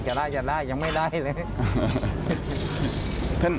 จะได้ยังไม่ได้เลย